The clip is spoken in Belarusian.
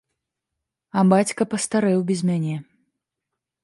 А бацька пастарэў без мяне.